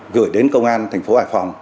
gửi đến công an thành phố hải phòng